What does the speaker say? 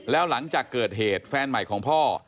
แล้วหลังจากเกิดเหตุแฟนใหม่ของพ่อ